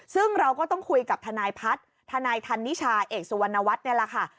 ซึ่งเราก็ต้องคุยกับทนายพัฒน์ทนายธันนิชาเอกสุวรรณวัฒน์นี่แหละค่ะ